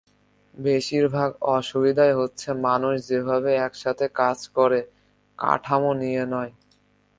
বেশিরভাগ অসুবিধাই হচ্ছে মানুষ যেভাবে একসাথে কাজ করে, কাঠামো নিয়ে নয়।